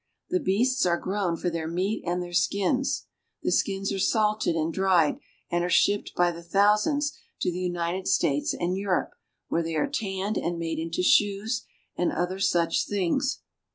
The beasts are grown for their meat and their skins. The Indian Village. skins are salted and dried, and are shipped by the thou sands to the United States and Europe, where they are tanned and made into shoes and other such things.